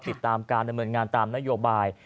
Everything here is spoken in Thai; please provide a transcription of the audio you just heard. ติดตามการดำเนินงานตามนโยบาย